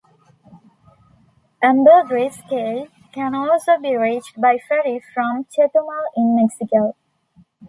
Ambergris Caye can also be reached by ferry from Chetumal in Mexico.